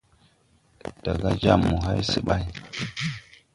Daga jam mo hay se ɓay.